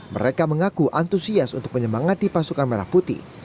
mereka mengaku antusias untuk menyemangati pasukan merah putih